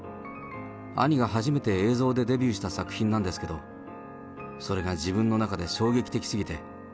兄が初めて映像でデビューした作品なんですけど、それが自分の中で衝撃的すぎて。